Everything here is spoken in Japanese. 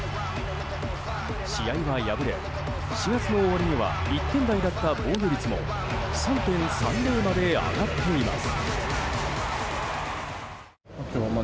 試合は敗れ、４月の終わりには１点台だった防御率も３．３０まで上がっています。